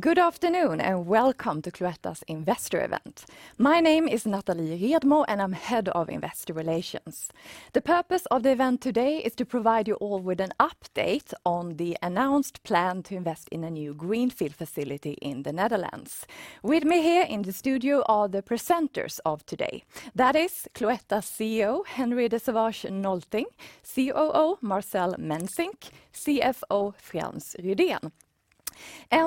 Good afternoon, and welcome to Cloetta's Investor event. My name is Nathalie Redmo, and I'm Head of Investor Relations. The purpose of the event today is to provide you all with an update on the announced plan to invest in a new greenfield facility in the Netherlands. With me here in the studio are the presenters of today. That is Cloetta's CEO, Henri de Sauvage-Nolting, COO Marcel Mensink, CFO Frans Rydén.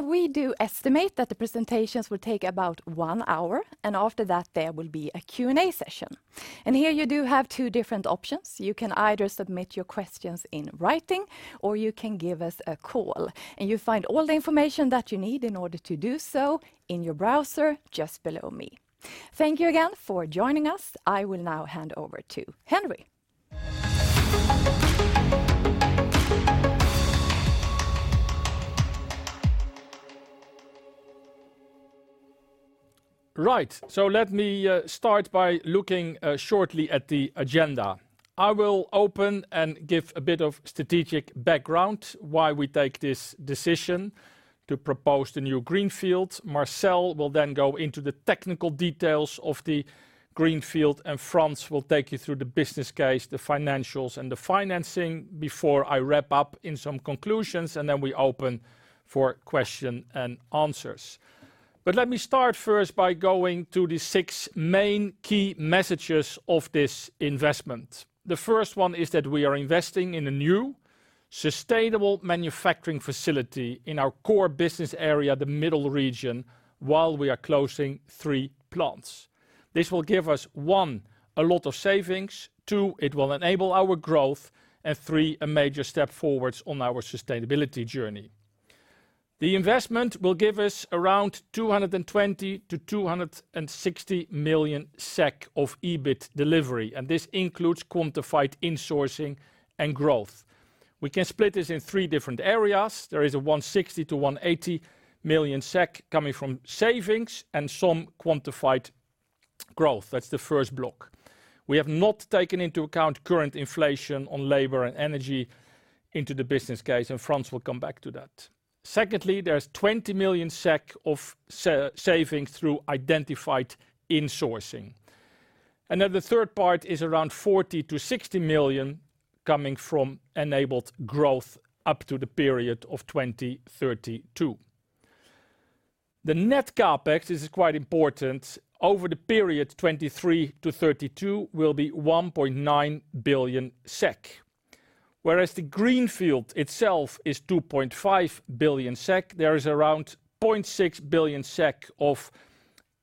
We do estimate that the presentations will take about one hour, and after that, there will be a Q&A session. Here you do have two different options. You can either submit your questions in writing or you can give us a call, and you'll find all the information that you need in order to do so in your browser just below me. Thank you again for joining us. I will now hand over to Henri. Right. Let me start by looking shortly at the agenda. I will open and give a bit of strategic background why we take this decision to propose the new greenfield. Marcel will then go into the technical details of the greenfield, and Frans will take you through the business case, the financials and the financing before I wrap up in some conclusions, and then we open for question and answers. Let me start first by going to the six main key messages of this investment. The first one is that we are investing in a new sustainable manufacturing facility in our core business area, the middle region, while we are closing three plants. This will give us, one, a lot of savings. Two, it will enable our growth. Three, a major step forwards on our sustainability journey. The investment will give us around 220 million-260 million SEK of EBIT delivery, and this includes quantified insourcing and growth. We can split this in three different areas. There is 160 million- 180 million SEK coming from savings and some quantified growth. That's the first block. We have not taken into account current inflation on labor and energy into the business case, and Frans will come back to that. Secondly, there's 20 million SEK of saving through identified insourcing. The third part is around 40 million-60 million coming from enabled growth up to the period of 2032. The net CapEx, this is quite important, over the period 2023-2032 will be 1.9 billion SEK. The greenfield itself is 2.5 billion SEK, there is around 0.6 billion SEK of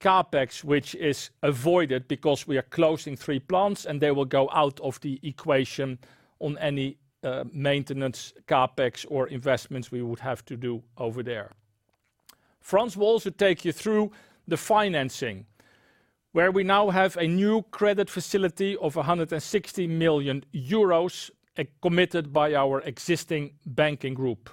CapEx, which is avoided because we are closing three plants, and they will go out of the equation on any maintenance, CapEx, or investments we would have to do over there. Frans will also take you through the financing, where we now have a new credit facility of 160 million euros committed by our existing banking group.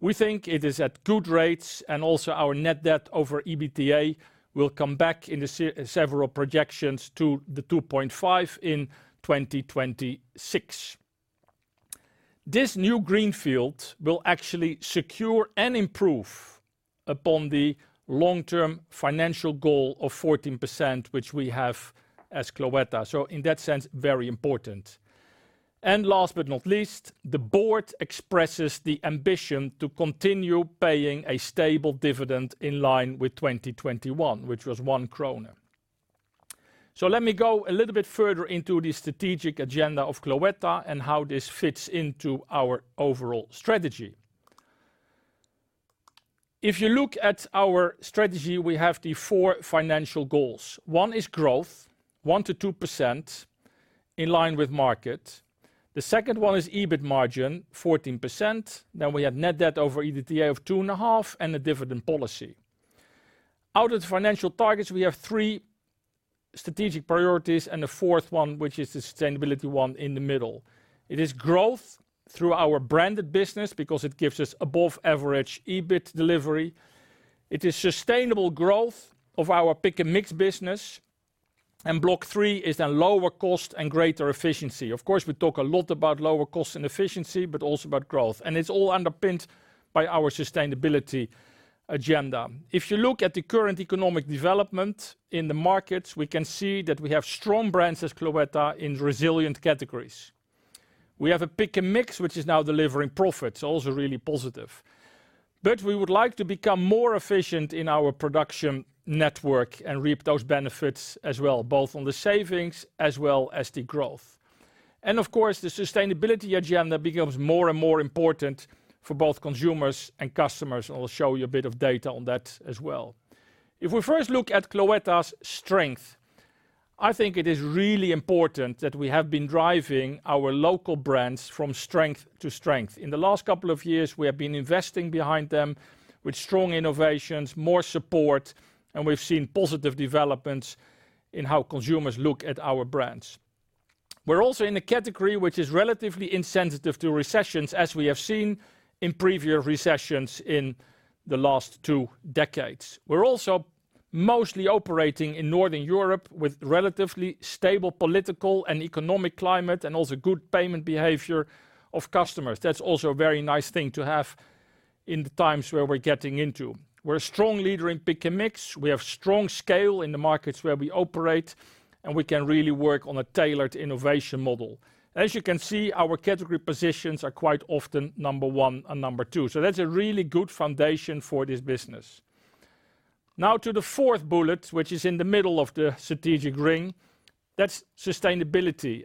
We think it is at good rates, and also our net debt over EBITDA will come back in the several projections to the 2.5 in 2026. This new greenfield will actually secure and improve upon the long-term financial goal of 14%, which we have as Cloetta. In that sense, very important. Last but not least, the board expresses the ambition to continue paying a stable dividend in line with 2021, which was SEK one. Let me go a little bit further into the strategic agenda of Cloetta and how this fits into our overall strategy. If you look at our strategy, we have the four financial goals. One is growth, 1%-2% in line with market. The second one is EBIT margin, 14%. Then we have net debt over EBITDA of two and a half, and a dividend policy. Out of the financial targets, we have three strategic priorities, and the fourth one, which is the sustainability one in the middle. It is growth through our branded business because it gives us above average EBIT delivery. It is sustainable growth of our Pick & Mix business, and block three is the lower cost and greater efficiency. Of course, we talk a lot about lower cost and efficiency, but also about growth, and it's all underpinned by our sustainability agenda. If you look at the current economic development in the markets, we can see that we have strong brands as Cloetta in resilient categories. We have a Pick & Mix which is now delivering profits, also really positive. We would like to become more efficient in our production network and reap those benefits as well, both on the savings as well as the growth. Of course, the sustainability agenda becomes more and more important for both consumers and customers. I will show you a bit of data on that as well. If we first look at Cloetta's strength, I think it is really important that we have been driving our local brands from strength to strength. In the last couple of years, we have been investing behind them with strong innovations, more support, and we've seen positive developments in how consumers look at our brands. We're also in a category which is relatively insensitive to recessions, as we have seen in previous recessions in the last two decades. We're also mostly operating in Northern Europe with relatively stable political and economic climate, and also good payment behavior of customers. That's also a very nice thing to have in the times where we're getting into. We're a strong leader in Pick & Mix. We have strong scale in the markets where we operate, and we can really work on a tailored innovation model. As you can see, our category positions are quite often number one and number two. That's a really good foundation for this business. Now to the fourth bullet, which is in the middle of the strategic ring, that's sustainability.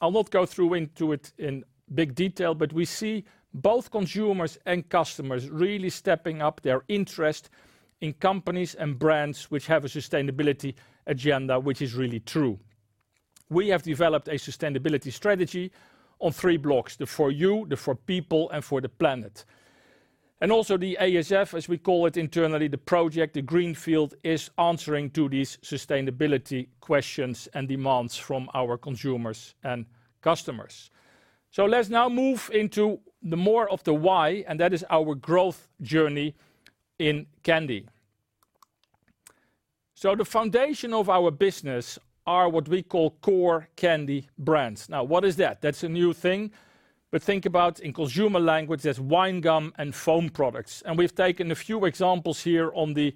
I'll not go through into it in big detail, but we see both consumers and customers really stepping up their interest in companies and brands which have a sustainability agenda which is really true. We have developed a sustainability strategy on three blocks. The for you, the for people, and for the planet. Also the ASF, as we call it internally, the project, the greenfield, is answering to these sustainability questions and demands from our consumers and customers. Let's now move into the more of the why, and that is our growth journey in candy. The foundation of our business are what we call core candy brands. Now what is that? That's a new thing. Think about in consumer language, that's wine gum and foam products. We've taken a few examples here on the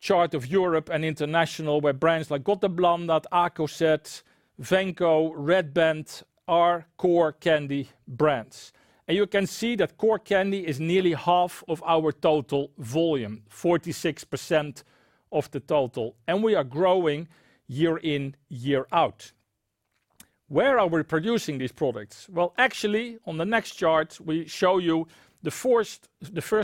chart of Europe and international, where brands like Göteborgs, Malaco, Venco, Red Band are core candy brands. You can see that core candy is nearly half of our total volume, 46% of the total. We are growing year in, year out. Where are we producing these products? Well, actually on the next chart, we show you the first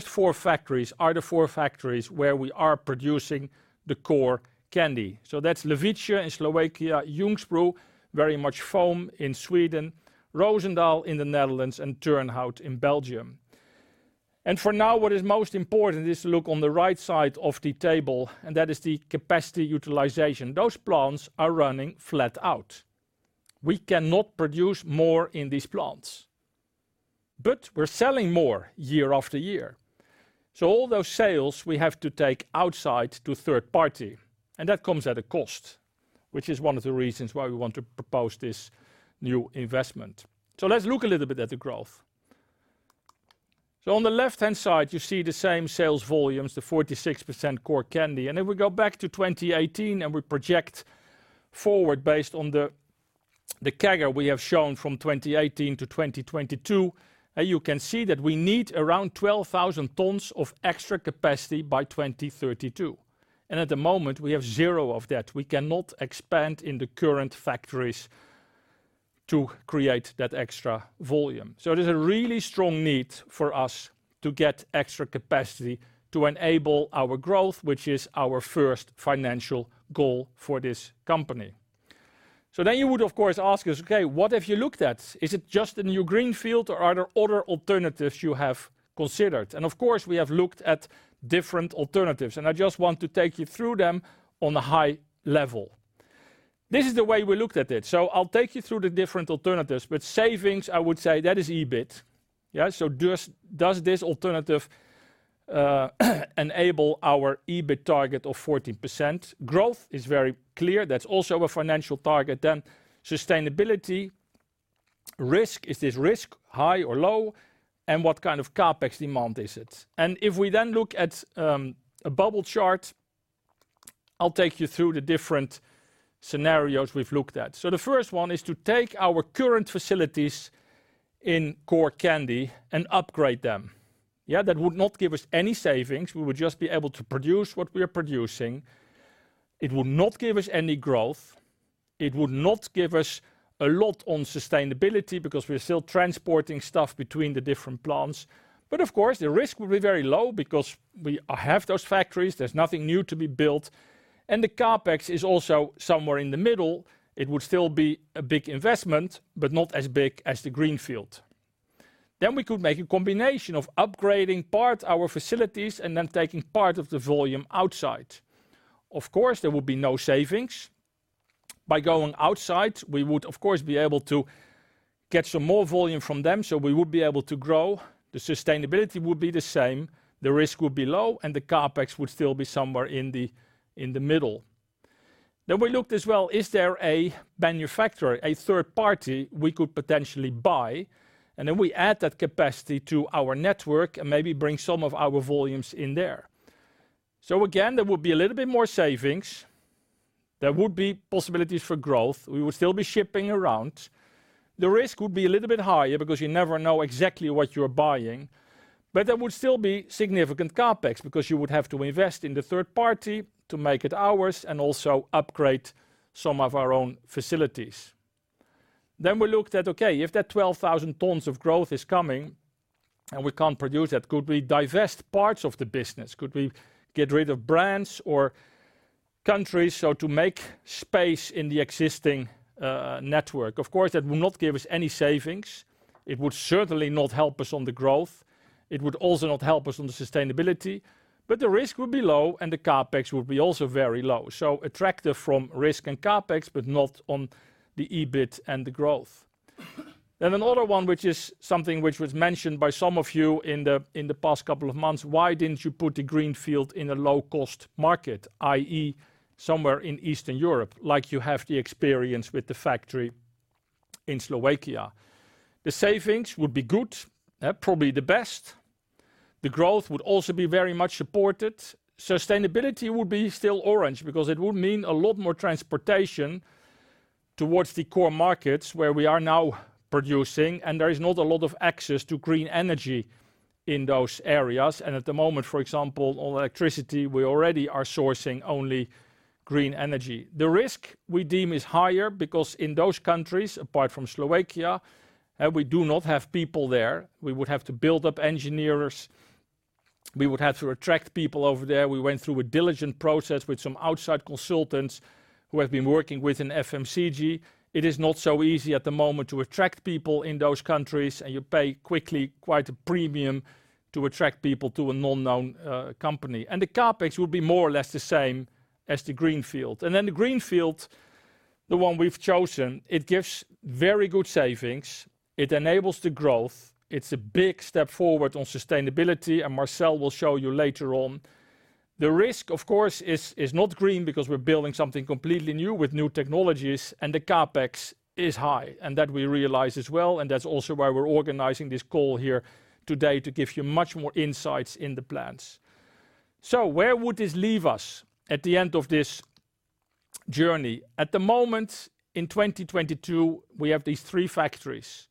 four factories are the four factories where we are producing the core candy. That's Levice in Slovakia, Ljungsbro, very much foam in Sweden, Roosendaal in the Netherlands, and Turnhout in Belgium. For now what is most important is to look on the right side of the table, and that is the capacity utilization. Those plants are running flat out. We cannot produce more in these plants, but we're selling more year after year. All those sales we have to take outside to third party, and that comes at a cost, which is one of the reasons why we want to propose this new investment. Let's look a little bit at the growth. On the left-hand side, you see the same sales volumes, the 46% core candy. If we go back to 2018 and we project forward based on the CAGR we have shown from 2018-2022, you can see that we need around 12,000 tons of extra capacity by 2032. At the moment we have zero of that. We cannot expand in the current factories to create that extra volume. There's a really strong need for us to get extra capacity to enable our growth, which is our first financial goal for this company. You would of course ask us, "Okay, what have you looked at? Is it just a new greenfield or are there other alternatives you have considered?" Of course, we have looked at different alternatives, and I just want to take you through them on a high level. This is the way we looked at it. I'll take you through the different alternatives, but savings I would say that is EBIT. Does this alternative enable our EBIT target of 14%? Growth is very clear. That's also a financial target. Then sustainability. Risk. Is this risk high or low? What kind of CapEx demand is it? If we then look at a bubble chart, I'll take you through the different scenarios we've looked at. The first one is to take our current facilities in core candy and upgrade them. Yeah, that would not give us any savings. We would just be able to produce what we are producing. It would not give us any growth, it would not give us a lot on sustainability because we are still transporting stuff between the different plants. Of course, the risk would be very low because we have those factories. There's nothing new to be built, and the CapEx is also somewhere in the middle. It would still be a big investment, but not as big as the greenfield. We could make a combination of upgrading part our facilities and then taking part of the volume outside. Of course, there would be no savings. By going outside, we would of course be able to get some more volume from them, so we would be able to grow. The sustainability would be the same, the risk would be low, and the CapEx would still be somewhere in the, in the middle. We looked as well, is there a manufacturer, a third party we could potentially buy? We add that capacity to our network and maybe bring some of our volumes in there. Again, there would be a little bit more savings. There would be possibilities for growth. We would still be shipping around. The risk would be a little bit higher because you never know exactly what you're buying. There would still be significant CapEx because you would have to invest in the third party to make it ours and also upgrade some of our own facilities. We looked at, okay, if that 12,000 tons of growth is coming and we can't produce that, could we divest parts of the business? Could we get rid of brands or countries so to make space in the existing network? Of course, that will not give us any savings. It would certainly not help us on the growth. It would also not help us on the sustainability, but the risk would be low and the CapEx would be also very low. Attractive from risk and CapEx, but not on the EBIT and the growth. Another one, which is something which was mentioned by some of you in the past couple of months, why didn't you put the greenfield in a low-cost market, i.e., somewhere in Eastern Europe, like you have the experience with the factory in Slovakia? The savings would be good, probably the best. The growth would also be very much supported. Sustainability would be still orange because it would mean a lot more transportation towards the core markets where we are now producing, and there is not a lot of access to green energy in those areas. At the moment, for example, on electricity, we already are sourcing only green energy. The risk we deem is higher because in those countries, apart from Slovakia, we do not have people there. We would have to build up engineers. We would have to attract people over there. We went through a diligent process with some outside consultants who have been working with an FMCG. It is not so easy at the moment to attract people in those countries, and you pay quickly quite a premium to attract people to a non-known company. The CapEx will be more or less the same as the greenfield. Then the greenfield, the one we've chosen, it gives very good savings. It enables the growth. It's a big step forward on sustainability, and Marcel will show you later on. The risk, of course, is not green because we're building something completely new with new technologies and the CapEx is high, and that we realize as well, and that's also why we're organizing this call here today to give you much more insight into the plans. Where would this leave us at the end of this journey? At the moment, in 2022, we have these three factories,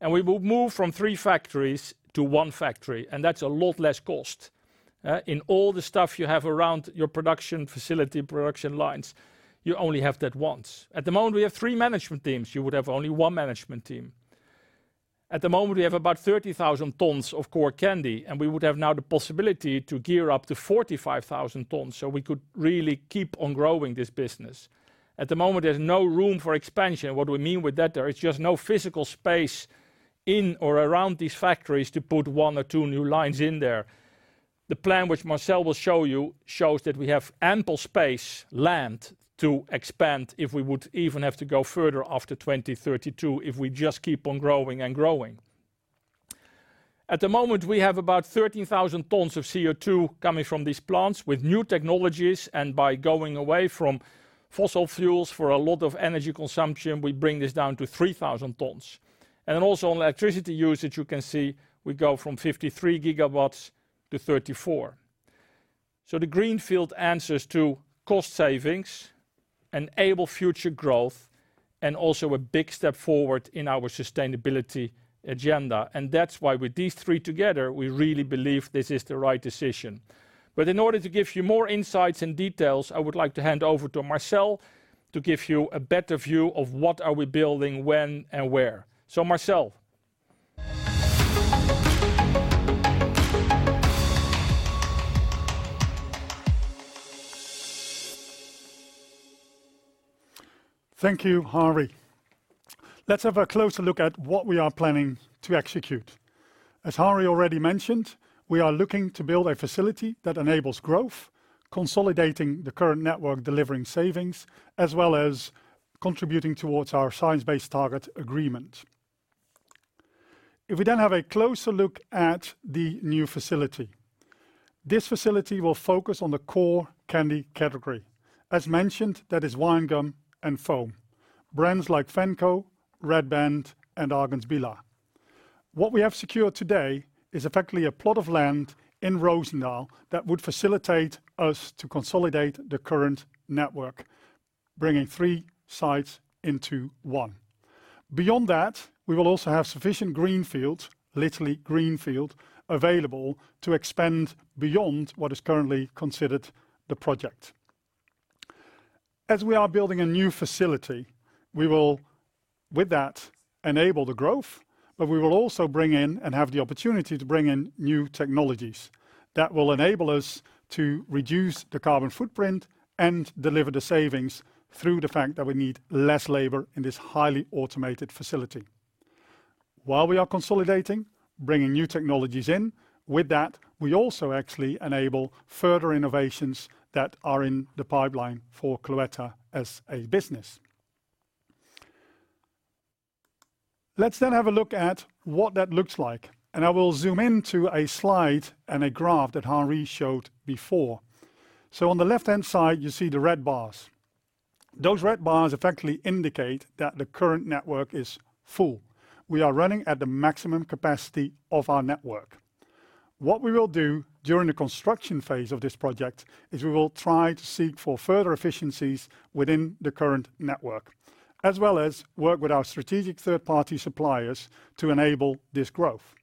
and we will move from three factories to one factory, and that's a lot less cost. In all the stuff you have around your production facility, production lines, you only have that once. At the moment, we have three management teams. You would have only one management team. At the moment, we have about 30,000 tons of core candy, and we would have now the possibility to gear up to 45,000 tons, so we could really keep on growing this business. At the moment, there's no room for expansion. What we mean with that, there is just no physical space in or around these factories to put one or two new lines in there. The plan which Marcel will show you shows that we have ample space, land to expand if we would even have to go further after 2032, if we just keep on growing and growing. At the moment, we have about 13,000 tons of CO2 coming from these plants. With new technologies and by going away from fossil fuels for a lot of energy consumption, we bring this down to 3,000 tons. Also on electricity usage, you can see we go from 53 GW to 34 GW. The greenfield answers to cost savings, enable future growth, and also a big step forward in our sustainability agenda. That's why with these three together, we really believe this is the right decision. In order to give you more insights and details, I would like to hand over to Marcel to give you a better view of what are we building, when, and where. So Marcel. Thank you, Henri. Let's have a closer look at what we are planning to execute. As Henri already mentioned, we are looking to build a facility that enables growth, consolidating the current network, delivering savings, as well as contributing towards our science-based target agreement. If we then have a closer look at the new facility. This facility will focus on the core candy category. As mentioned, that is wine gum and foam. Brands like Venco, Red Band, and Ahlgrens bilar. What we have secured today is effectively a plot of land in Roosendaal that would facilitate us to consolidate the current network, bringing three sites into one. Beyond that, we will also have sufficient greenfields, literally greenfield, available to expand beyond what is currently considered the project. As we are building a new facility, we will with that enable the growth, but we will also bring in and have the opportunity to bring in new technologies that will enable us to reduce the carbon footprint and deliver the savings through the fact that we need less labor in this highly automated facility. While we are consolidating, bringing new technologies in, with that, we also actually enable further innovations that are in the pipeline for Cloetta as a business. Let's have a look at what that looks like, and I will zoom in to a slide and a graph that Henri showed before. On the left-hand side, you see the red bars. Those red bars effectively indicate that the current network is full. We are running at the maximum capacity of our network. What we will do during the construction phase of this project is we will try to seek for further efficiencies within the current network, as well as work with our strategic third-party suppliers to enable this growth.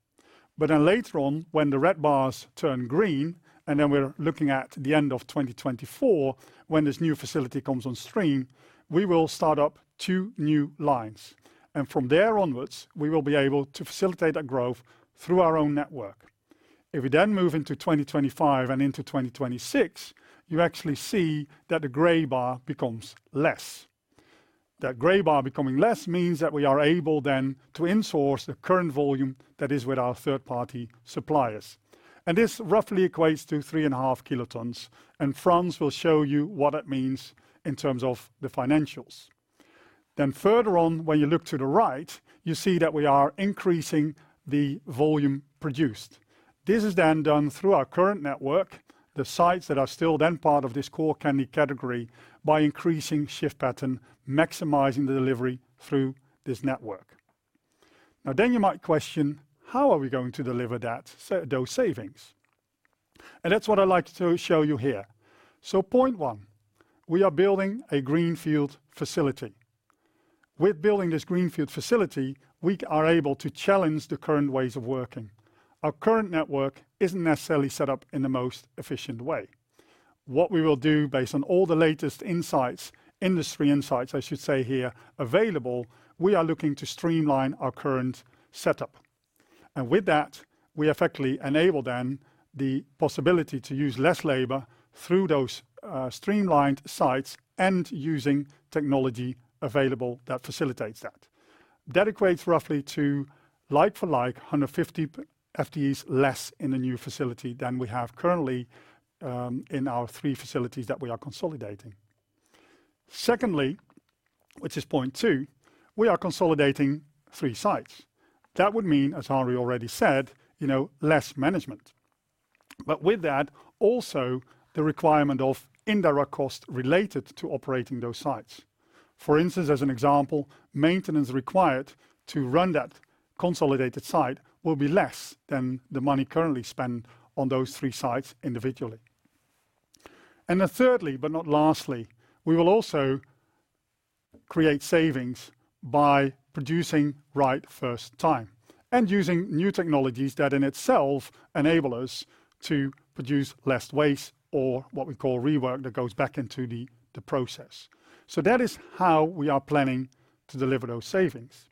Later on, when the red bars turn green, and then we're looking at the end of 2024, when this new facility comes on stream, we will start up two new lines. From there onwards, we will be able to facilitate that growth through our own network. If we then move into 2025 and into 2026, you actually see that the gray bar becomes less. That gray bar becoming less means that we are able then to in-source the current volume that is with our third-party suppliers. This roughly equates to 3.5 kilotons, and Frans will show you what it means in terms of the financials. Further on, when you look to the right, you see that we are increasing the volume produced. This is then done through our current network, the sites that are still then part of this core candy category by increasing shift pattern, maximizing the delivery through this network. Now you might question, how are we going to deliver that, so those savings? That's what I'd like to show you here. Point one, we are building a greenfield facility. With building this greenfield facility, we are able to challenge the current ways of working. Our current network isn't necessarily set up in the most efficient way. What we will do based on all the latest insights, industry insights I should say here, available, we are looking to streamline our current setup. With that, we effectively enable then the possibility to use less labor through those, streamlined sites and using technology available that facilitates that. That equates roughly to like for like, 150 FTEs less in the new facility than we have currently, in our three facilities that we are consolidating. Secondly, which is point two, we are consolidating three sites. That would mean, as Henry already said, you know, less management. With that, also the requirement of indirect costs related to operating those sites. For instance, as an example, maintenance required to run that consolidated site will be less than the money currently spent on those three sites individually. Then thirdly, but not lastly, we will also create savings by producing right first time and using new technologies that in itself enable us to produce less waste or what we call rework that goes back into the process. That is how we are planning to deliver those savings.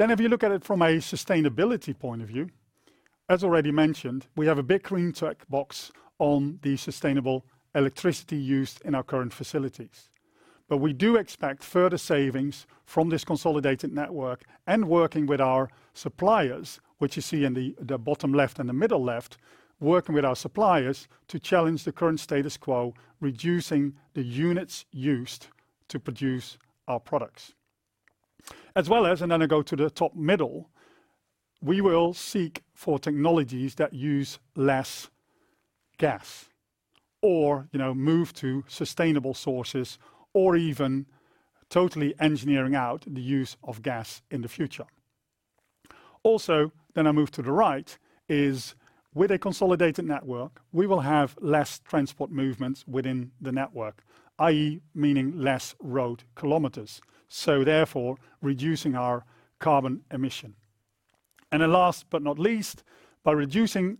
If you look at it from a sustainability point of view, as already mentioned, we have a big green tick box on the sustainable electricity used in our current facilities. We do expect further savings from this consolidated network and working with our suppliers, which you see in the bottom left and the middle left, working with our suppliers to challenge the current status quo, reducing the units used to produce our products. As well as, I go to the top middle, we will seek for technologies that use less gas or, you know, move to sustainable sources or even totally engineering out the use of gas in the future. Also, I move to the right, with a consolidated network, we will have less transport movements within the network, i.e., meaning less road kilometers, so therefore reducing our carbon emission. Last but not least, by reducing,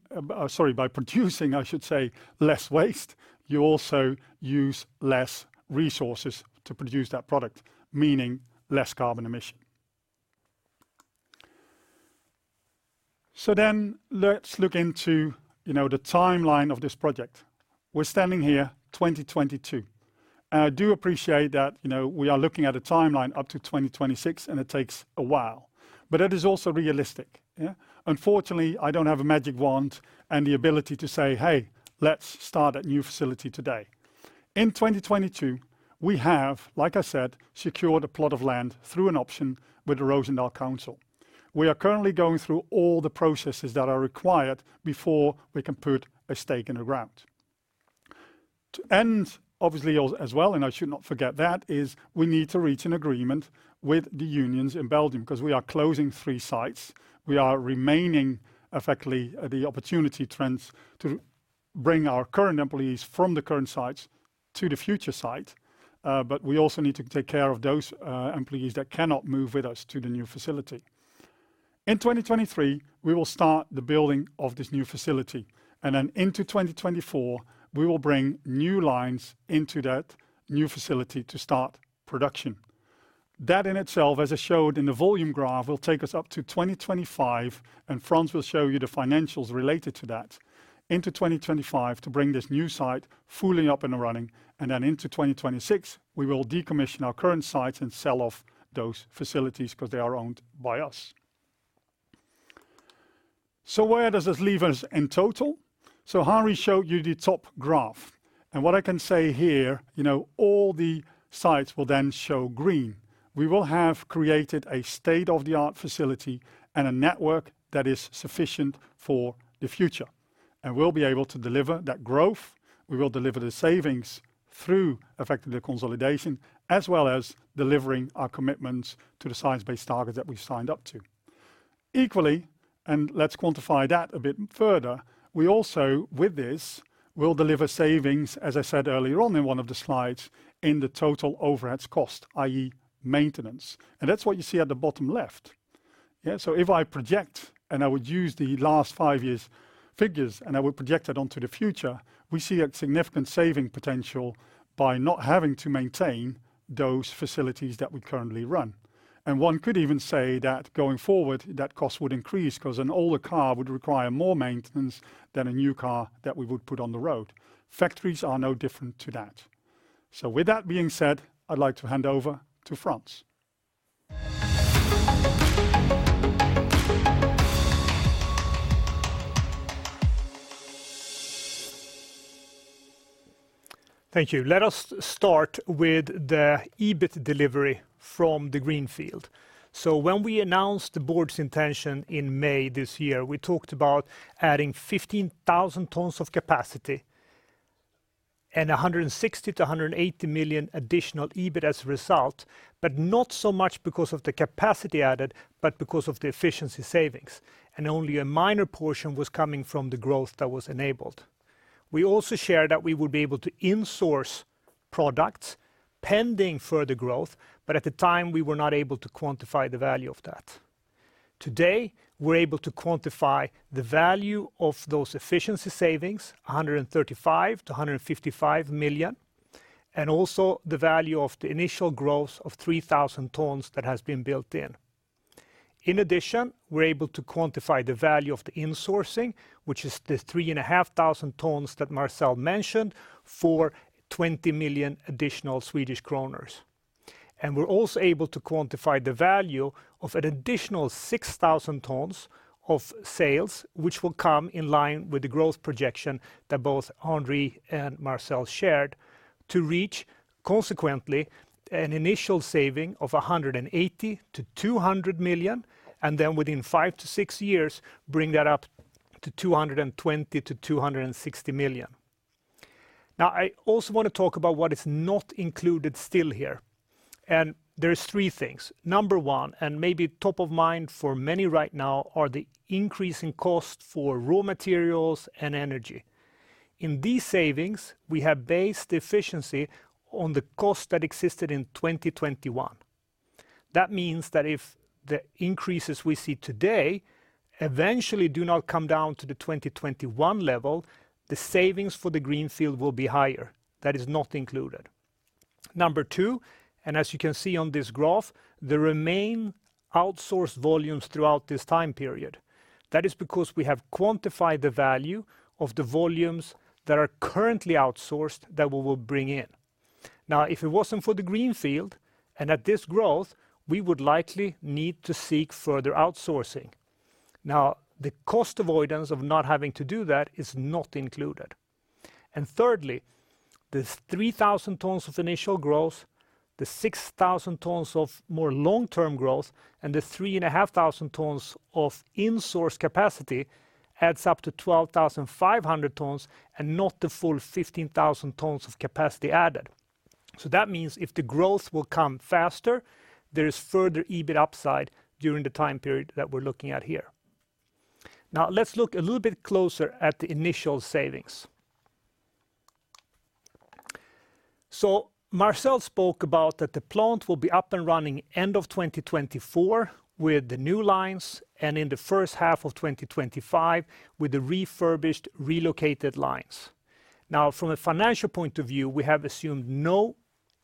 sorry, by producing, I should say, less waste, you also use less resources to produce that product, meaning less carbon emission. Let's look into, you know, the timeline of this project. We're standing here, 2022. I do appreciate that, you know, we are looking at a timeline up to 2026, and it takes a while, but it is also realistic, yeah. Unfortunately, I don't have a magic wand and the ability to say, "Hey, let's start a new facility today." In 2022, we have, like I said, secured a plot of land through an option with the Roosendaal municipality. We are currently going through all the processes that are required before we can put a stake in the ground. To end, obviously as well, and I should not forget that, we need to reach an agreement with the unions in Belgium because we are closing three sites. We are retaining effectively the opportunity to transfer to bring our current employees from the current sites to the future site, but we also need to take care of those employees that cannot move with us to the new facility. In 2023, we will start the building of this new facility, and then into 2024, we will bring new lines into that new facility to start production. That in itself, as I showed in the volume graph, will take us up to 2025, and Frans will show you the financials related to that. Into 2025 to bring this new site fully up and running, and then into 2026, we will decommission our current sites and sell off those facilities because they are owned by us. Where does this leave us in total? Henry showed you the top graph, and what I can say here, you know, all the sites will then show green. We will have created a state-of-the-art facility and a network that is sufficient for the future, and we'll be able to deliver that growth. We will deliver the savings through effectively the consolidation, as well as delivering our commitments to the science-based targets that we've signed up to. Equally, and let's quantify that a bit further, we also, with this, will deliver savings, as I said earlier on in one of the slides, in the total overheads cost, i.e. maintenance. That's what you see at the bottom left. Yeah, if I project and I would use the last five years' figures and I would project it onto the future, we see a significant saving potential by not having to maintain those facilities that we currently run. One could even say that going forward, that cost would increase 'cause an older car would require more maintenance than a new car that we would put on the road. Factories are no different to that. With that being said, I'd like to hand over to Frans. Thank you. Let us start with the EBIT delivery from the Greenfield. When we announced the board's intention in May this year, we talked about adding 15,000 tons of capacity and 160 million-180 million additional EBIT as a result, but not so much because of the capacity added, but because of the efficiency savings, and only a minor portion was coming from the growth that was enabled. We also shared that we would be able to insource products pending further growth, but at the time, we were not able to quantify the value of that. Today, we're able to quantify the value of those efficiency savings, 135 million-155 million, and also the value of the initial growth of 3,000 tons that has been built in. In addition, we're able to quantify the value of the insourcing, which is the 3,500 tons that Marcel mentioned for 20 million additional. We're also able to quantify the value of an additional 6,000 tons of sales, which will come in line with the growth projection that both Henri and Marcel shared to reach, consequently, an initial savings of 180 million-200 million, and then within five to six years, bring that up to 220 million-260 million. Now, I also want to talk about what is not included still here. There are 3 things. Number one, maybe top of mind for many right now, are the increasing costs for raw materials and energy. In these savings, we have based efficiency on the costs that existed in 2021. That means that if the increases we see today eventually do not come down to the 2021 level, the savings for the Greenfield will be higher. That is not included. Number two, as you can see on this graph, there remain outsourced volumes throughout this time period. That is because we have quantified the value of the volumes that are currently outsourced that we will bring in. Now, if it wasn't for the Greenfield, at this growth, we would likely need to seek further outsourcing. Now, the cost avoidance of not having to do that is not included. Thirdly, the 3,000 tons of initial growth, the 6,000 tons of more long-term growth, and the 3,500 tons of insourced capacity adds up to 12,500 tons and not the full 15,000 tons of capacity added. That means if the growth will come faster, there is further EBIT upside during the time period that we're looking at here. Now, let's look a little bit closer at the initial savings. Marcel spoke about that the plant will be up and running end of 2024 with the new lines and in the first half of 2025 with the refurbished, relocated lines. Now, from a financial point of view, we have assumed no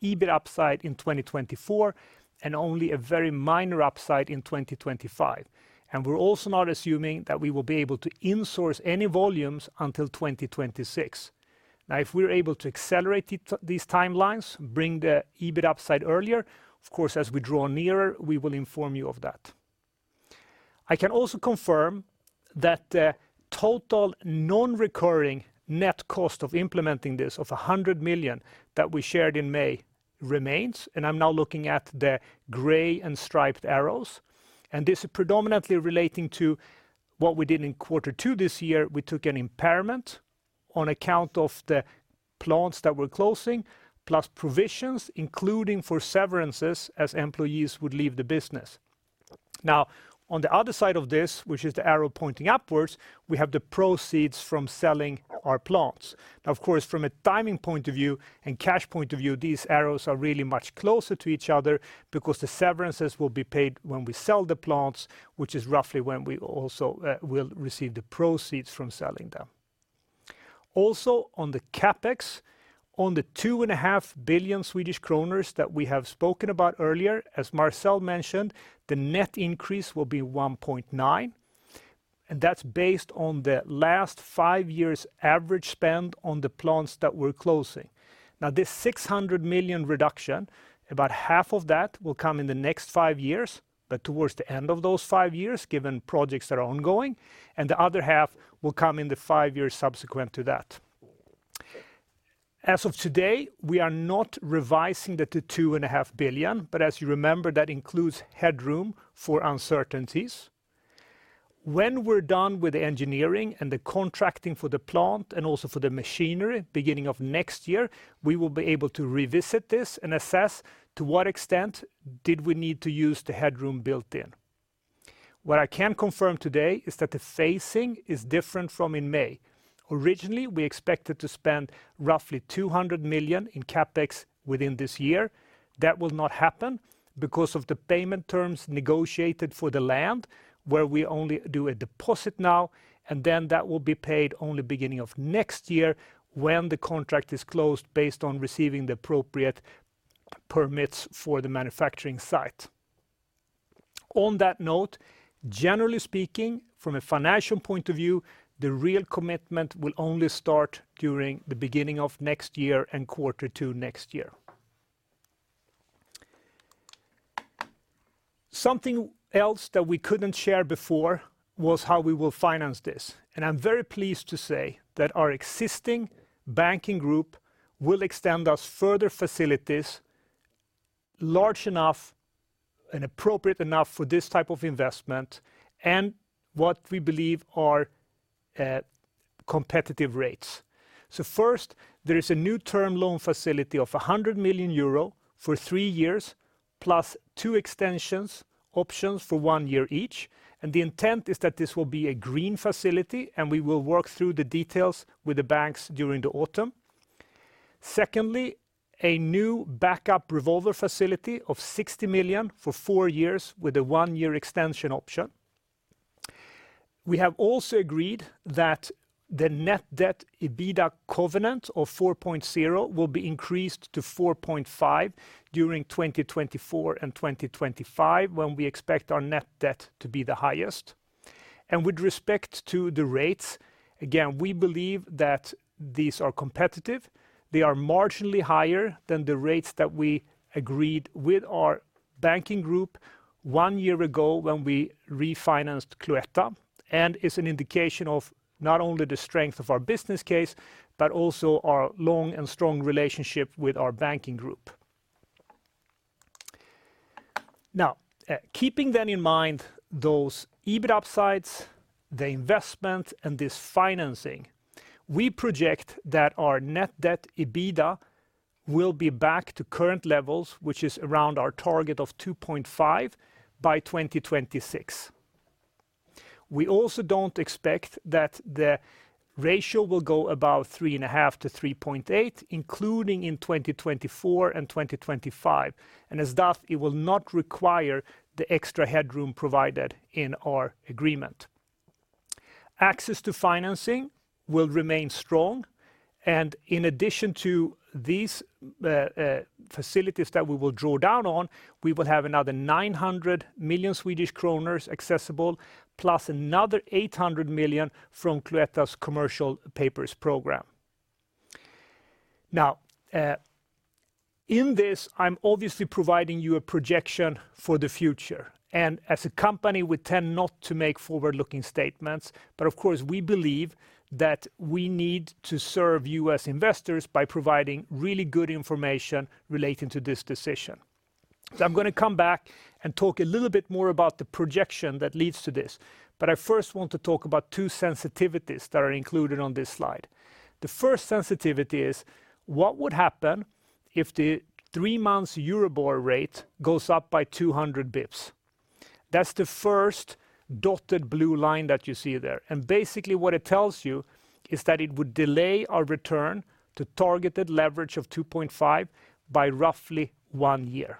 EBIT upside in 2024 and only a very minor upside in 2025. We're also not assuming that we will be able to insource any volumes until 2026. Now, if we're able to accelerate it, these timelines, bring the EBIT upside earlier, of course, as we draw nearer, we will inform you of that. I can also confirm that the total non-recurring net cost of implementing this of 100 million that we shared in May remains, and I'm now looking at the gray and striped arrows. This is predominantly relating to what we did in quarter two this year. We took an impairment on account of the plants that we're closing, plus provisions, including for severances as employees would leave the business. Now, on the other side of this, which is the arrow pointing upwards, we have the proceeds from selling our plants. Now, of course, from a timing point of view and cash point of view, these arrows are really much closer to each other because the severances will be paid when we sell the plants, which is roughly when we also will receive the proceeds from selling them. Also, on the CapEx, on the 2.5 billion Swedish kronor that we have spoken about earlier, as Marcel mentioned, the net increase will be 1.9 billion, and that's based on the last five years average spend on the plants that we're closing. This 600 million reduction, about half of that will come in the next five years, but towards the end of those five years, given projects that are ongoing, and the other half will come in the five years subsequent to that. As of today, we are not revising the 2.5 billion, but as you remember, that includes headroom for uncertainties. When we're done with the engineering and the contracting for the plant and also for the machinery, beginning of next year, we will be able to revisit this and assess to what extent did we need to use the headroom built in. What I can confirm today is that the phasing is different from in May. Originally, we expected to spend roughly 200 million in CapEx within this year. That will not happen because of the payment terms negotiated for the land, where we only do a deposit now, and then that will be paid only beginning of next year when the contract is closed based on receiving the appropriate permits for the manufacturing site. On that note, generally speaking, from a financial point of view, the real commitment will only start during the beginning of next year and quarter two next year. Something else that we couldn't share before was how we will finance this. I'm very pleased to say that our existing banking group will extend us further facilities large enough and appropriate enough for this type of investment and what we believe are competitive rates. First, there is a new term loan facility of 100 million euro for three years, plus two extensions options for one year each, and the intent is that this will be a green facility, and we will work through the details with the banks during the autumn. Secondly, a new backup revolver facility of 60 million for four years with a one year extension option. We have also agreed that the net debt EBITDA covenant of 4.0 will be increased to 4.5 during 2024 and 2025, when we expect our net debt to be the highest. With respect to the rates, again, we believe that these are competitive. They are marginally higher than the rates that we agreed with our banking group one year ago when we refinanced Cloetta, and is an indication of not only the strength of our business case, but also our long and strong relationship with our banking group. Now, keeping them in mind those EBIT upsides, the investment, and this financing, we project that our net debt EBITDA will be back to current levels, which is around our target of 2.5 by 2026. We also don't expect that the ratio will go above 3.5-3.8, including in 2024 and 2025, and as such, it will not require the extra headroom provided in our agreement. Access to financing will remain strong, and in addition to these facilities that we will draw down on, we will have another 900 million Swedish kronor accessible, plus another 800 million from Cloetta's commercial paper program. Now, in this, I'm obviously providing you a projection for the future, and as a company, we tend not to make forward-looking statements, but of course, we believe that we need to serve you as investors by providing really good information relating to this decision. I'm gonna come back and talk a little bit more about the projection that leads to this, but I first want to talk about two sensitivities that are included on this slide. The first sensitivity is what would happen if the three-month EURIBOR rate goes up by 200 basis points? That's the first dotted blue line that you see there. Basically, what it tells you is that it would delay our return to targeted leverage of 2.5 by roughly one year.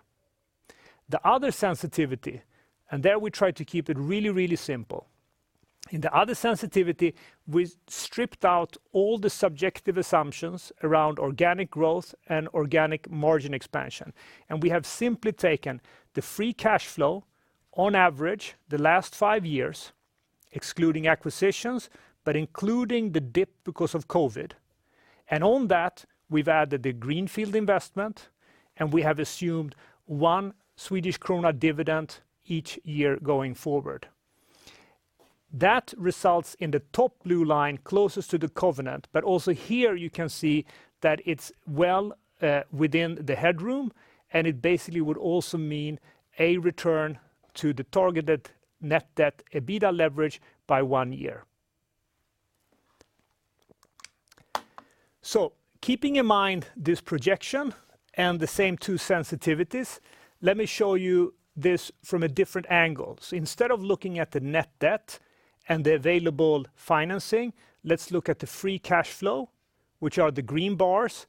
The other sensitivity, and there we try to keep it really, really simple. In the other sensitivity, we stripped out all the subjective assumptions around organic growth and organic margin expansion. We have simply taken the free cash flow on average the last five years, excluding acquisitions, but including the dip because of COVID. On that, we've added the greenfield investment, and we have assumed 1 Swedish krona dividend each year going forward. That results in the top blue line closest to the covenant, but also here you can see that it's well within the headroom, and it basically would also mean a return to the targeted net debt EBITDA leverage by one year. Keeping in mind this projection and the same two sensitivities, let me show you this from a different angle. Instead of looking at the net debt and the available financing, let's look at the free cash flow, which are the green bars,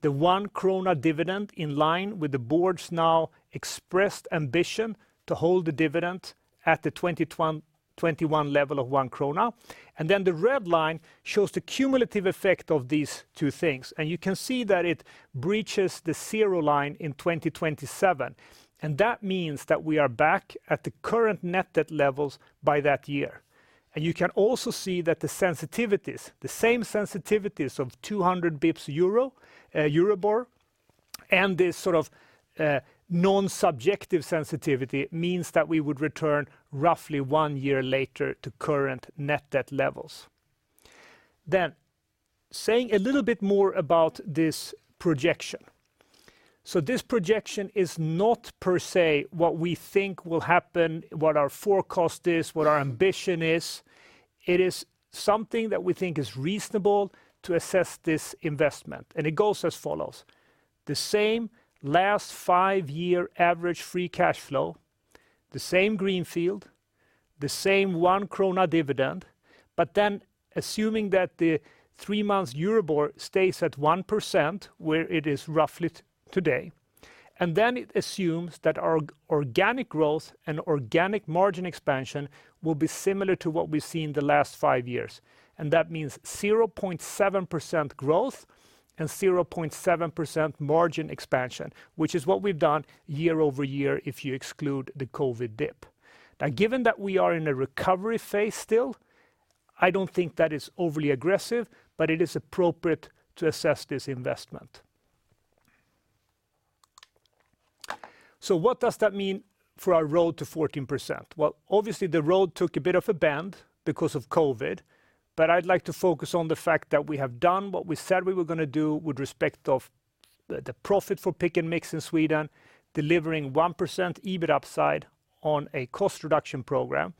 the 1 krona dividend in line with the board's now expressed ambition to hold the dividend at the 2021 level of 1 krona. The red line shows the cumulative effect of these two things, and you can see that it breaches the zero line in 2027, and that means that we are back at the current net debt levels by that year. You can also see that the sensitivities, the same sensitivities of 200 basis points EURIBOR, and this sort of non-subjective sensitivity means that we would return roughly one year later to current net debt levels. Saying a little bit more about this projection. This projection is not per se what we think will happen, what our forecast is, what our ambition is. It is something that we think is reasonable to assess this investment, and it goes as follows. The same last five year average free cash flow, the same greenfield, the same 1 krona dividend, but then assuming that the three month EURIBOR stays at 1%, where it is roughly today, and then it assumes that our organic growth and organic margin expansion will be similar to what we've seen in the last five years. That means 0.7% growth and 0.7% margin expansion, which is what we've done year-over-year if you exclude the COVID dip. Now, given that we are in a recovery phase still, I don't think that is overly aggressive, but it is appropriate to assess this investment. What does that mean for our road to 14%? Well, obviously, the road took a bit of a bend because of COVID, but I'd like to focus on the fact that we have done what we said we were gonna do with respect to the profit for Pick & Mix in Sweden, delivering 1% EBIT upside on a cost reduction program.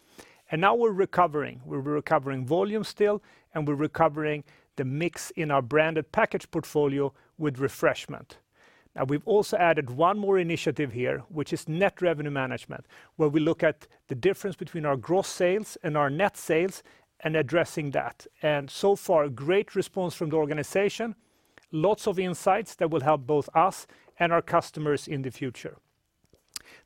Now we're recovering. We're recovering volume still, and we're recovering the mix in our branded package portfolio with refreshment. Now, we've also added one more initiative here, which is net revenue management, where we look at the difference between our gross sales and our net sales and addressing that. So far, great response from the organization, lots of insights that will help both us and our customers in the future.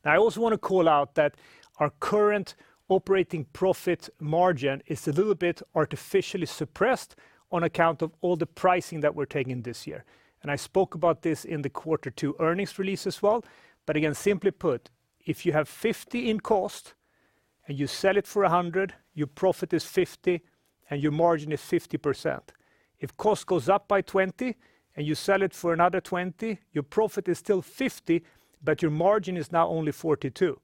Now, I also wanna call out that our current operating profit margin is a little bit artificially suppressed on account of all the pricing that we're taking this year. I spoke about this in the Quarter Two earnings release as well. Again, simply put, if you have 50 in cost and you sell it for a 100, your profit is 50 and your margin is 50%. If cost goes up by 20 and you sell it for another 20, your profit is still 50, but your margin is now only 42,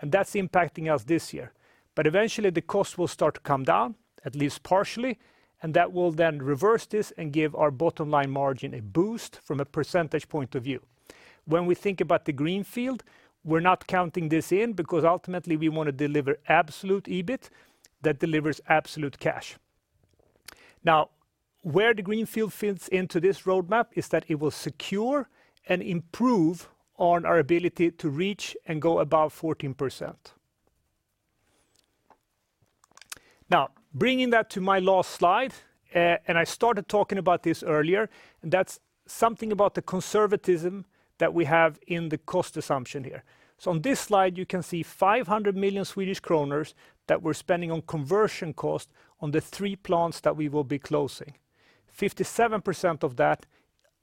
and that's impacting us this year. Eventually, the cost will start to come down, at least partially, and that will then reverse this and give our bottom line margin a boost from a percentage point of view. When we think about the greenfield, we're not counting this in because ultimately we wanna deliver absolute EBIT that delivers absolute cash. Now, where the greenfield fits into this roadmap is that it will secure and improve on our ability to reach and go above 14%. Now, bringing that to my last slide, and I started talking about this earlier, and that's something about the conservatism that we have in the cost assumption here. On this slide, you can see 500 million Swedish kronor that we're spending on conversion cost on the three plants that we will be closing. 57% of that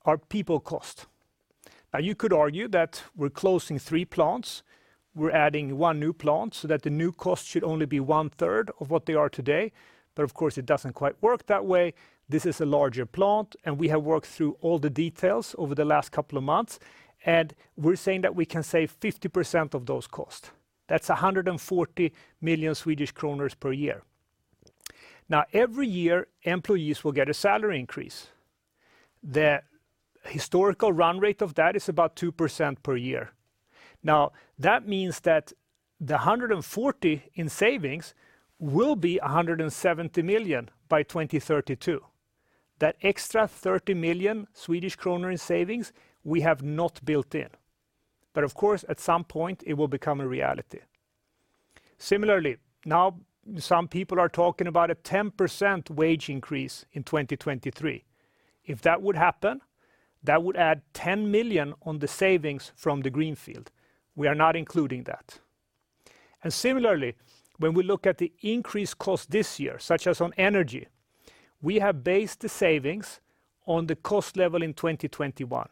are people cost. Now, you could argue that we're closing three plants, we're adding one new plant so that the new cost should only be 1/3 of what they are today. Of course, it doesn't quite work that way. This is a larger plant, and we have worked through all the details over the last couple of months, and we're saying that we can save 50% of those costs. That's 140 million Swedish kronor per year. Now, every year, employees will get a salary increase. The historical run rate of that is about 2% per year. Now, that means that the 140 in savings will be 170 million by 2032. That extra 30 million Swedish kronor in savings we have not built in. Of course, at some point it will become a reality. Similarly, now some people are talking about a 10% wage increase in 2023. If that would happen, that would add 10 million on the savings from the greenfield. We are not including that. Similarly, when we look at the increased cost this year, such as on energy, we have based the savings on the cost level in 2021.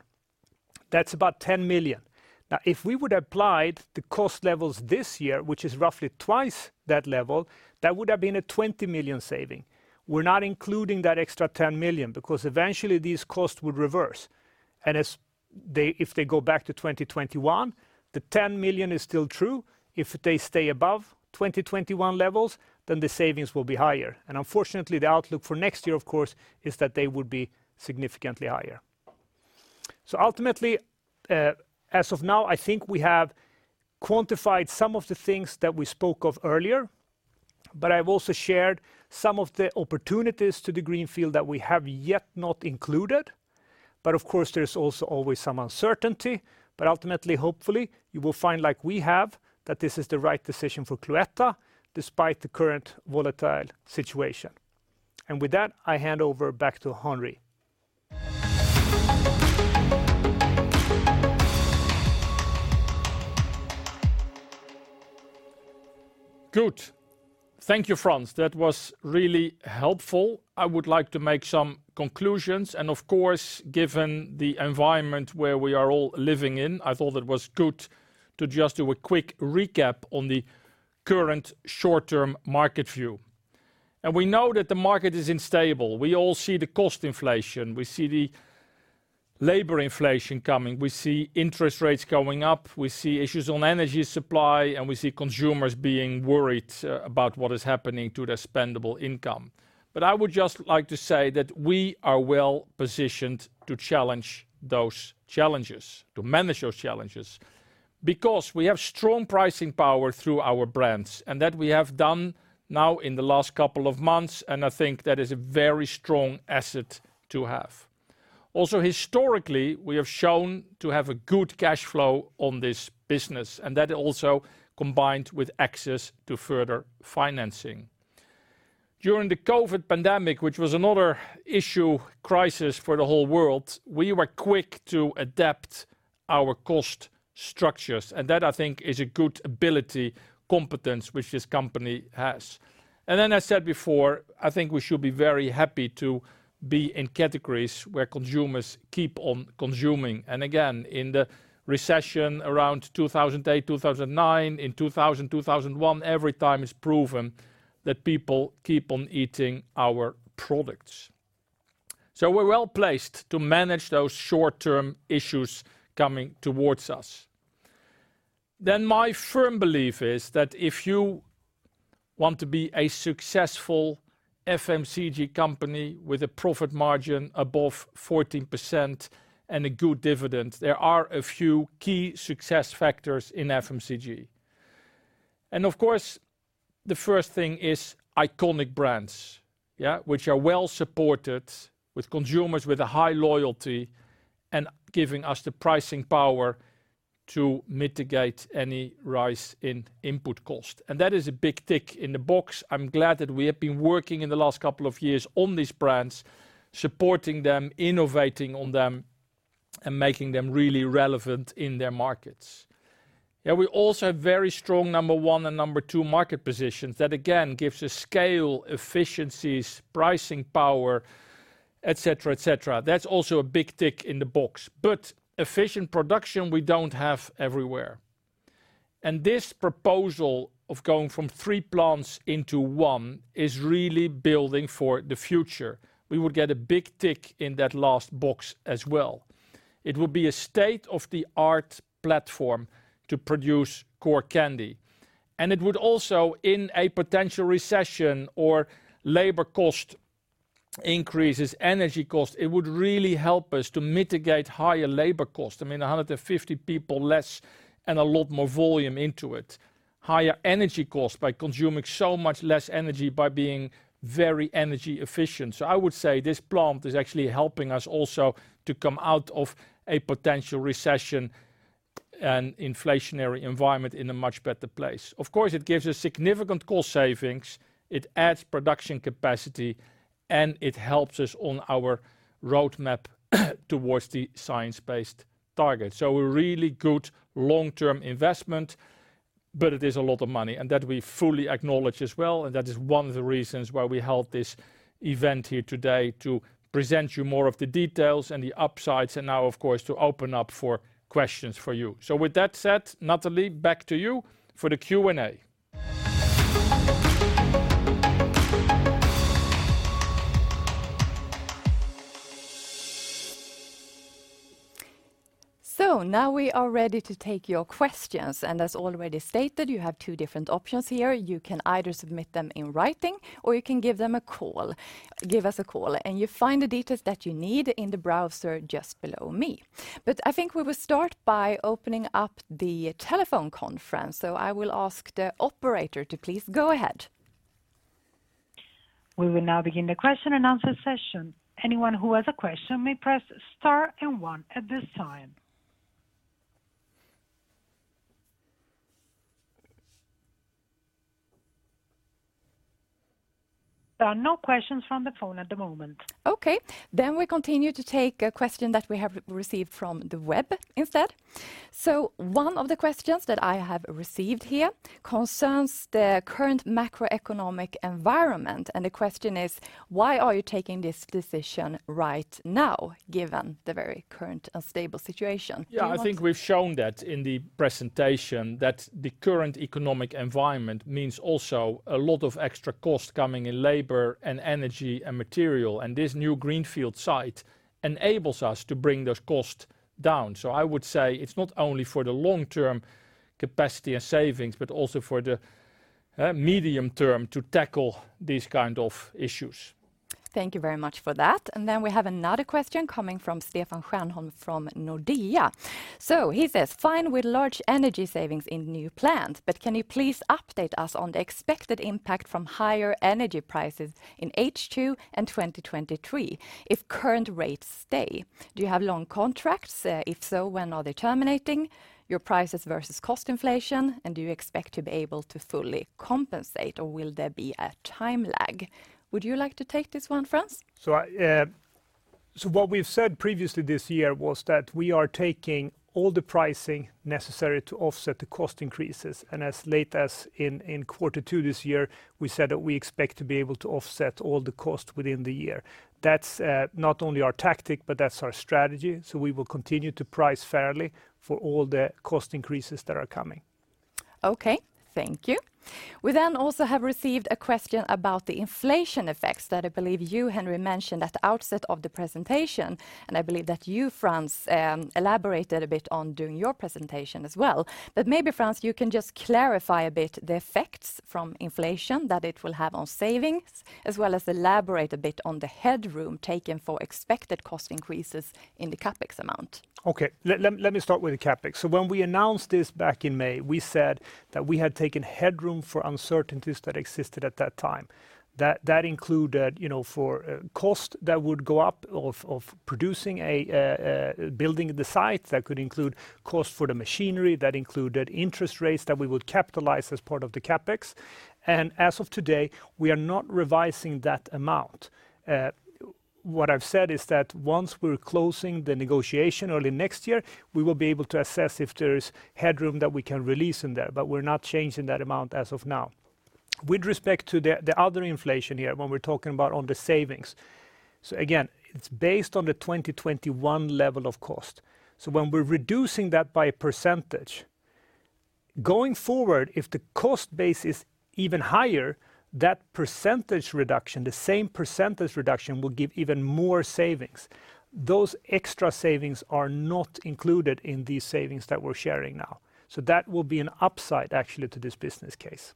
That's about 10 million. Now, if we would applied the cost levels this year, which is roughly twice that level, that would have been a 20 million saving. We're not including that extra 10 million because eventually these costs would reverse. If they go back to 2021, the 10 million is still true. If they stay above 2021 levels, then the savings will be higher. Unfortunately, the outlook for next year, of course, is that they would be significantly higher. Ultimately, as of now, I think we have quantified some of the things that we spoke of earlier, but I've also shared some of the opportunities to the greenfield that we have yet not included. Of course, there's also always some uncertainty. Ultimately, hopefully, you will find like we have, that this is the right decision for Cloetta despite the current volatile situation. With that, I hand over back to Henri. Good. Thank you, Frans. That was really helpful. I would like to make some conclusions, and of course, given the environment where we are all living in, I thought it was good to just do a quick recap on the current short-term market view. We know that the market is unstable. We all see the cost inflation, we see the labor inflation coming, we see interest rates going up, we see issues on energy supply, and we see consumers being worried about what is happening to their spendable income. I would just like to say that we are well-positioned to challenge those challenges, to manage those challenges because we have strong pricing power through our brands, and that we have done now in the last couple of months, and I think that is a very strong asset to have. Also historically, we have shown to have a good cash flow on this business, and that also combined with access to further financing. During the COVID pandemic, which was another issue crisis for the whole world, we were quick to adapt our cost structures, and that I think is a good ability, competence which this company has. I said before, I think we should be very happy to be in categories where consumers keep on consuming. Again, in the recession around 2008, 2009, in 2000, 2001, every time it's proven that people keep on eating our products. We're well-placed to manage those short-term issues coming towards us. My firm belief is that if you want to be a successful FMCG company with a profit margin above 14% and a good dividend, there are a few key success factors in FMCG. Of course, the first thing is iconic brands, yeah, which are well-supported with consumers with a high loyalty and giving us the pricing power to mitigate any rise in input cost. That is a big tick in the box. I'm glad that we have been working in the last couple of years on these brands, supporting them, innovating on them, and making them really relevant in their markets. Yeah, we also have very strong number one and number two market positions that again gives us scale efficiencies, pricing power, et cetera, et cetera. That's also a big tick in the box. Efficient production we don't have everywhere. This proposal of going from three plants into one is really building for the future. We will get a big tick in that last box as well. It will be a state-of-the-art platform to produce core candy. It would also, in a potential recession or labor cost increases, energy cost, it would really help us to mitigate higher labor cost. I mean, 150 people less and a lot more volume into it. Higher energy cost by consuming so much less energy by being very energy efficient. I would say this plant is actually helping us also to come out of a potential recession and inflationary environment in a much better place. Of course, it gives us significant cost savings, it adds production capacity, and it helps us on our roadmap towards the science-based target. A really good long-term investment, but it is a lot of money, and that we fully acknowledge as well, and that is one of the reasons why we held this event here today to present you more of the details and the upsides and now of course to open up for questions for you. With that said, Nathalie, back to you for the Q&A. Now we are ready to take your questions, and as already stated, you have two different options here. You can either submit them in writing or you can give them a call. Give us a call, and you find the details that you need in the browser just below me. I think we will start by opening up the telephone conference. I will ask the operator to please go ahead. We will now begin the question and answer session. Anyone who has a question may press star and one at this time. There are no questions from the phone at the moment. Okay, we continue to take a question that we have received from the web instead. One of the questions that I have received here concerns the current macroeconomic environment, and the question is, "Why are you taking this decision right now, given the very current unstable situation?" Do you want? Yeah, I think we've shown that in the presentation, that the current economic environment means also a lot of extra cost coming in labor and energy and material, and this new greenfield site enables us to bring those costs down. I would say it's not only for the long-term capacity and savings, but also for the medium term to tackle these kind of issues. Thank you very much for that. Then we have another question coming from Stefan Stjernholm from Nordea. He says, "Fine with large energy savings in new plant, but can you please update us on the expected impact from higher energy prices in H2 and 2023 if current rates stay? Do you have long contracts? If so, when are they terminating your prices versus cost inflation, and do you expect to be able to fully compensate, or will there be a time lag?" Would you like to take this one, Frans? What we've said previously this year was that we are taking all the pricing necessary to offset the cost increases, and as late as in quarter two this year, we said that we expect to be able to offset all the cost within the year. That's not only our tactic, but that's our strategy, so we will continue to price fairly for all the cost increases that are coming. Okay, thank you. We also have received a question about the inflation effects that I believe you, Henri, mentioned at the outset of the presentation, and I believe that you, Frans, elaborated a bit on during your presentation as well. Maybe, Frans, you can just clarify a bit the effects from inflation that it will have on savings as well as elaborate a bit on the headroom taken for expected cost increases in the CapEx amount. Okay. Let me start with the CapEx. When we announced this back in May, we said that we had taken headroom for uncertainties that existed at that time. That included, you know, for cost that would go up of producing a building the site that could include cost for the machinery, that included interest rates that we would capitalize as part of the CapEx. As of today, we are not revising that amount. What I've said is that once we're closing the negotiation early next year, we will be able to assess if there is headroom that we can release in there, but we're not changing that amount as of now. With respect to the other inflation here, when we're talking about on the savings, again, it's based on the 2021 level of cost. When we're reducing that by a percentage, going forward, if the cost base is even higher, that percentage reduction, the same percentage reduction, will give even more savings. Those extra savings are not included in these savings that we're sharing now. That will be an upside actually to this business case.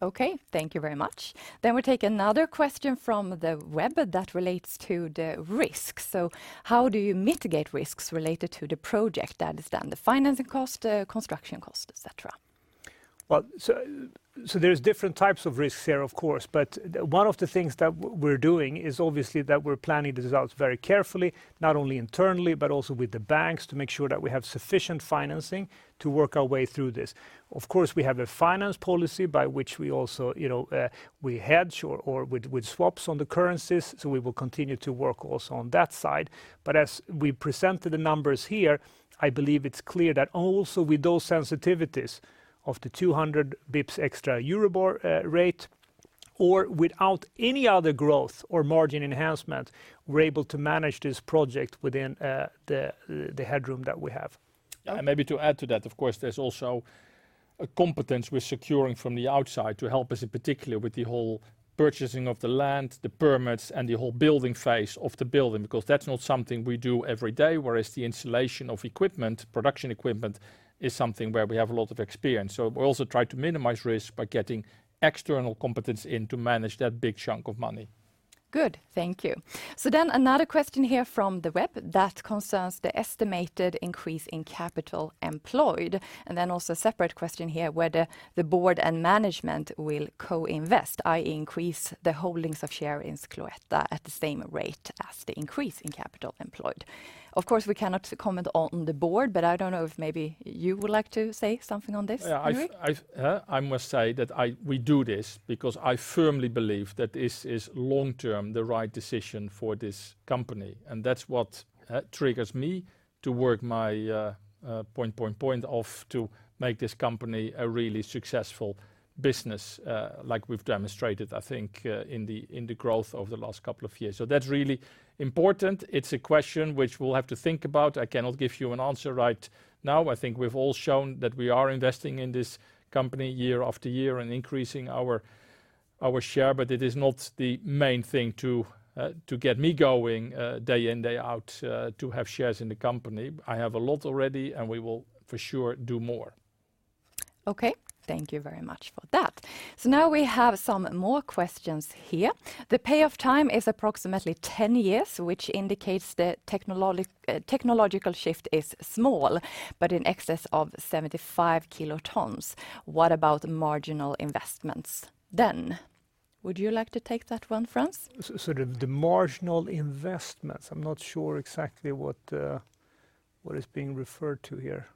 Okay, thank you very much. We take another question from the web that relates to the risk. How do you mitigate risks related to the project that is then the financing cost, construction cost, et cetera? There's different types of risks here, of course, but one of the things that we're doing is obviously that we're planning this out very carefully, not only internally, but also with the banks to make sure that we have sufficient financing to work our way through this. Of course, we have a finance policy by which we also, you know, we hedge or with swaps on the currencies, so we will continue to work also on that side. As we presented the numbers here, I believe it's clear that also with those sensitivities of the 200 basis points extra EURIBOR rate or without any other growth or margin enhancement, we're able to manage this project within the headroom that we have. Yeah, maybe to add to that, of course, there's also a competence we're securing from the outside to help us in particular with the whole purchasing of the land, the permits, and the whole building phase of the building because that's not something we do every day, whereas the installation of equipment, production equipment is something where we have a lot of experience. We also try to minimize risk by getting external competence in to manage that big chunk of money. Good. Thank you. Another question here from the web that concerns the estimated increase in capital employed, and then also a separate question here whether the board and management will co-invest, i.e., increase the holdings of share in Cloetta at the same rate as the increase in capital employed. Of course, we cannot comment on the board, but I don't know if maybe you would like to say something on this, Henrik? Yeah, we do this because I firmly believe that this is long-term the right decision for this company, and that's what triggers me to work my ass off to make this company a really successful business, like we've demonstrated, I think, in the growth over the last couple of years. That's really important. It's a question which we'll have to think about. I cannot give you an answer right now. I think we've all shown that we are investing in this company year after year and increasing our share, but it is not the main thing to get me going day in, day out to have shares in the company. I have a lot already, and we will for sure do more. Okay. Thank you very much for that. Now we have some more questions here. The payoff time is approximately 10 years, which indicates the technological shift is small, but in excess of 75 kilotons. What about marginal investments then? Would you like to take that one, Frans? The marginal investments. I'm not sure exactly what is being referred to here.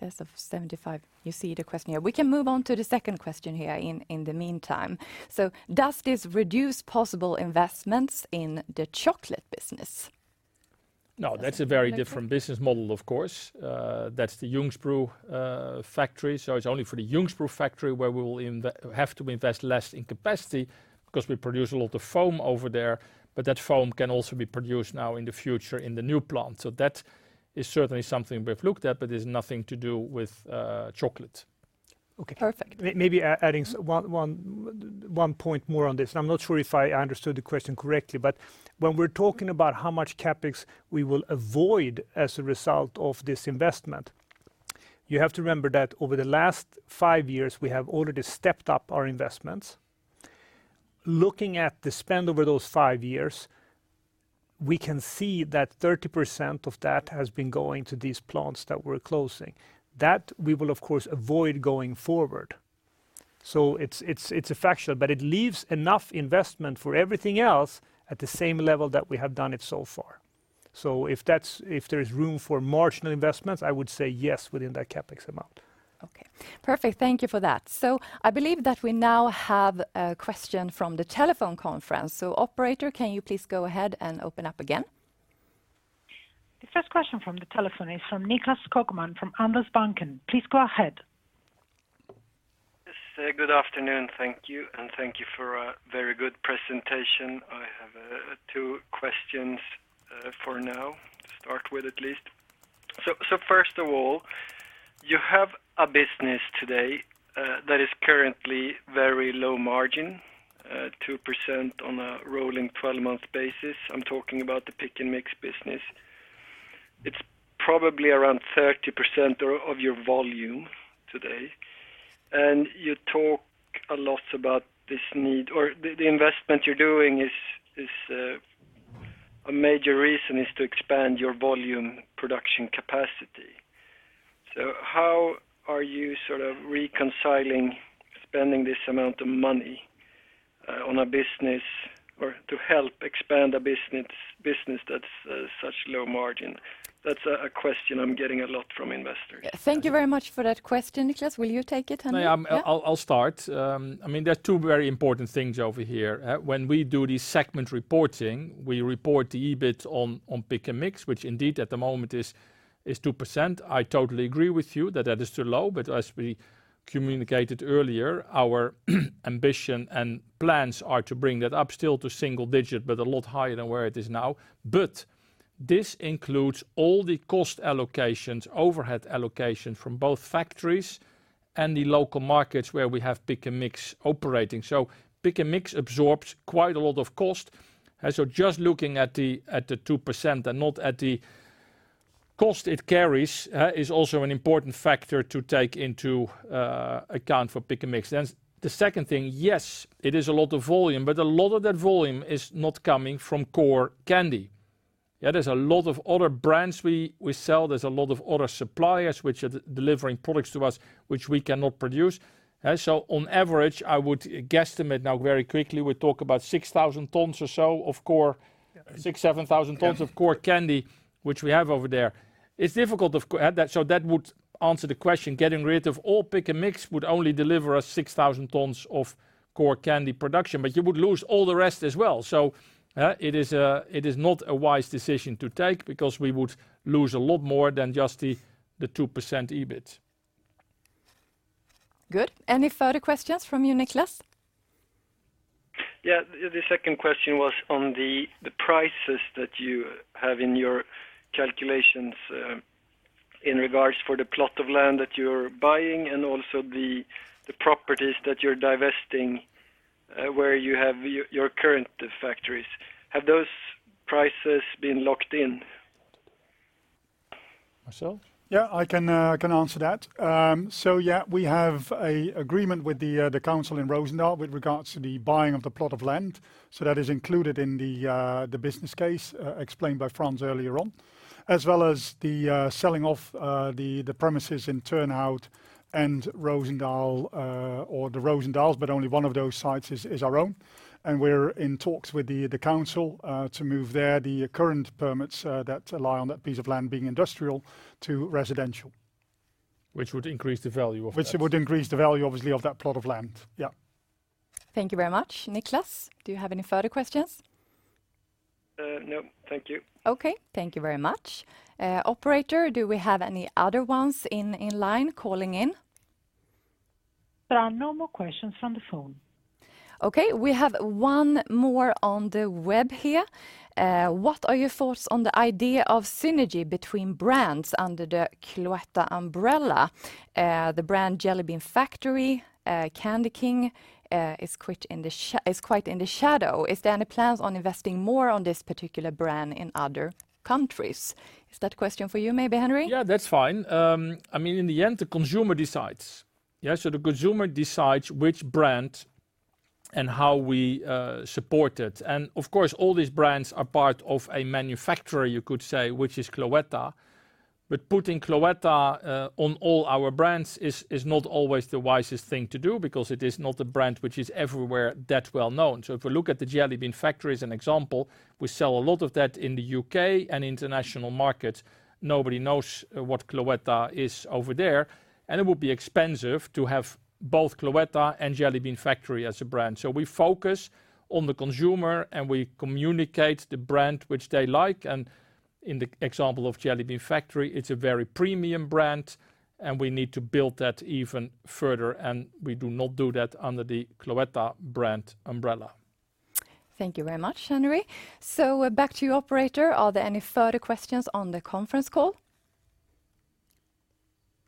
Excess of 75. You see the question here. We can move on to the second question here in the meantime. Does this reduce possible investments in the chocolate business? No, that's a very different business model, of course. That's the Ljungsbro factory. It's only for the Ljungsbro factory where we will have to invest less in capacity because we produce a lot of foam over there, but that foam can also be produced now in the future in the new plant. That is certainly something we've looked at, but it's nothing to do with chocolate. Okay, perfect. Maybe adding one point more on this, I'm not sure if I understood the question correctly, but when we're talking about how much CapEx we will avoid as a result of this investment, you have to remember that over the last five years, we have already stepped up our investments. Looking at the spend over those five years, we can see that 30% of that has been going to these plants that we're closing. That we will, of course, avoid going forward. It's a fraction, but it leaves enough investment for everything else at the same level that we have done it so far. If there is room for marginal investments, I would say yes within that CapEx amount. Okay. Perfect. Thank you for that. I believe that we now have a question from the telephone conference. Operator, can you please go ahead and open up again? The first question from the telephone is from Niklas Ekman from Carnegie Investment Bank. Please go ahead. Good afternoon. Thank you, and thank you for a very good presentation. I have two questions for now to start with at least. First of all, you have a business today that is currently very low margin, 2% on a rolling twelve-month basis. I'm talking about the Pick & Mix business. It's probably around 30% of your volume today, and you talk a lot about this need. Or the investment you're doing is a major reason to expand your volume production capacity. How are you sort of reconciling spending this amount of money on a business or to help expand a business that's such low margin? That's a question I'm getting a lot from investors. Thank you very much for that question, Niklas. Will you take it, Henri? Yeah. I'll start. I mean, there are two very important things over here. When we do the segment reporting, we report the EBIT on Pick & Mix, which indeed at the moment is 2%. I totally agree with you that that is too low, but as we communicated earlier, our ambition and plans are to bring that up still to single digit, but a lot higher than where it is now. This includes all the cost allocations, overhead allocation from both factories and the local markets where we have Pick & Mix operating. Pick & Mix absorbs quite a lot of cost. Just looking at the 2% and not at the cost it carries is also an important factor to take into account for Pick & Mix. The second thing, yes, it is a lot of volume, but a lot of that volume is not coming from core candy. Yeah, there's a lot of other brands we sell. There's a lot of other suppliers which are delivering products to us which we cannot produce. So on average, I would guesstimate now very quickly, we talk about 6,000 tons or so of core- Yeah. 6000-7,000 tons of core candy which we have over there. That would answer the question, getting rid of all Pick & Mix would only deliver us 6,000 tons of core candy production, but you would lose all the rest as well. It is not a wise decision to take because we would lose a lot more than just the 2% EBIT. Good. Any further questions from you, Niklas? Yeah. The second question was on the prices that you have in your calculations in regards for the plot of land that you're buying and also the properties that you're divesting where you have your current factories. Have those prices been locked in? Marcel? Yeah, I can answer that. We have an agreement with the council in Roosendaal with regards to the buying of the plot of land. That is included in the business case explained by Frans earlier on. As well as the selling off the premises in Turnhout and Roosendaal, but only one of those sites is our own. We're in talks with the council to move there the current permits that lie on that piece of land being industrial to residential. Which would increase the value of that. Which would increase the value obviously of that plot of land. Yeah. Thank you very much. Niklas, do you have any further questions? No. Thank you. Okay. Thank you very much. Operator, do we have any other ones in line calling in? There are no more questions from the phone. Okay. We have one more on the web here. What are your thoughts on the idea of synergy between brands under the Cloetta umbrella? The brand The Jelly Bean Factory, CandyKing, is quite in the shadow. Is there any plans on investing more on this particular brand in other countries? Is that question for you maybe, Henri? Yeah, that's fine. I mean, in the end, the consumer decides. Yeah, the consumer decides which brand and how we support it. Of course, all these brands are part of a manufacturer, you could say, which is Cloetta. Putting Cloetta on all our brands is not always the wisest thing to do because it is not a brand which is everywhere that well-known. If we look at the Jelly Bean Factory as an example, we sell a lot of that in the U.K. and international markets. Nobody knows what Cloetta is over there, and it would be expensive to have both Cloetta and Jelly Bean Factory as a brand. We focus on the consumer, and we communicate the brand which they like. In the example of The Jelly Bean Factory, it's a very premium brand, and we need to build that even further, and we do not do that under the Cloetta brand umbrella. Thank you very much, Henry. Back to you, operator. Are there any further questions on the conference call?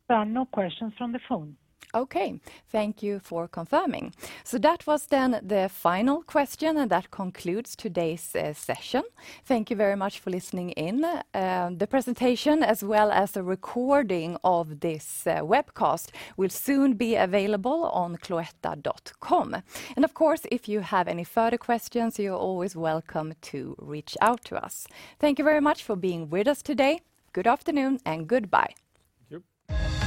There are no questions from the phone. Okay. Thank you for confirming. That was then the final question, and that concludes today's session. Thank you very much for listening in. The presentation as well as a recording of this webcast will soon be available on cloetta.com. Of course, if you have any further questions, you're always welcome to reach out to us. Thank you very much for being with us today. Good afternoon and goodbye. Thank you.